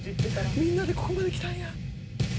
みんなでここまできたんや。